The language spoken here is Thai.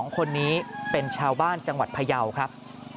๒คนนี้เป็นชาวบ้านจังหวัดพยาวครับ